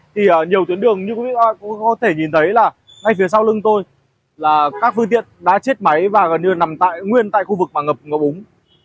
thì nhiều tuyến đường như các quý vị có thể nhìn thấy là ngay phía sau lưng tôi là các phương tiện đã chết máy và gần như nằm nguyên tại khu vực mà ngập ủng